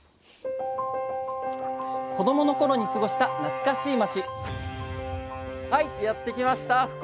子どもの頃に過ごした懐かしい町！